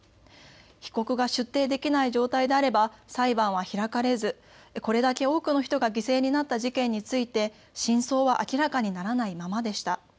被告が出廷できない状態であれば裁判は開かれず、これだけ多くの人が犠牲になった事件について真相は明らかにならないままでした。